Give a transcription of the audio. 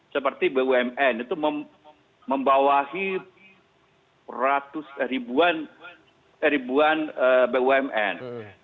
seperti bumn itu membawahi ratus ribuan bumn